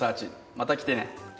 また来てね